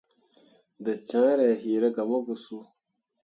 Dattǝǝre a yiira gah mo ke suu.